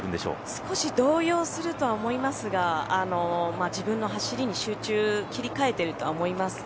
少し動揺するとは思いますが自分の走りに集中切り替えてるとは思います。